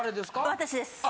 私です。